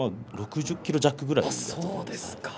６０ｋｇ弱ぐらいです。